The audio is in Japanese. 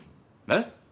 えっ？